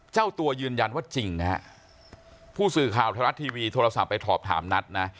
เจ้าตัวยืนยันว่าจริงนะฮะผู้สื่อข่าวไทยรัฐทีวีโทรศัพท์ไปสอบถามนัทนะ